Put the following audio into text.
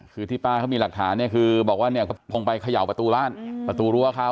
คือที่ป้าเขามีหลักฐานเนี่ยคือบอกว่าเนี่ยคงไปเขย่าประตูบ้านประตูรั้วเขา